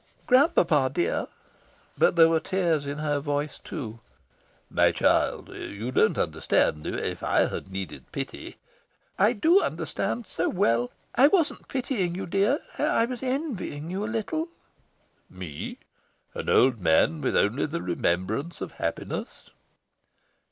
"Grand papa dear" but there were tears in her voice, too. "My child, you don't understand. If I had needed pity " "I do understand so well. I wasn't pitying you, dear, I was envying you a little." "Me? an old man with only the remembrance of happiness?"